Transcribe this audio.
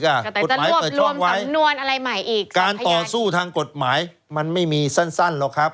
กฎหมายเปิดช่องไว้การต่อสู้ทางกฎหมายมันไม่มีสั้นหรอกครับ